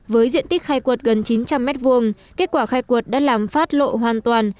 với diện tích khai quật gần chín trăm linh m hai kết quả khai quật đã làm phát lộ hoàn toàn